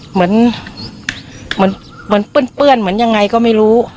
เหมือนเหมือนเปื้อนเหมือนยังไงก็ไม่รู้